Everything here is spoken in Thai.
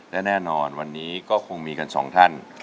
และแน่นอนวันนี้ก็คงมีกันสองท่าน